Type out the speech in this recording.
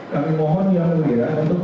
kami mohon yang lebih raya untuk